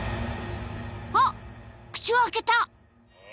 あっ口を開けた！